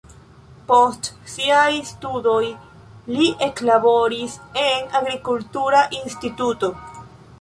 Post siaj studoj li eklaboris en agrikultura instituto.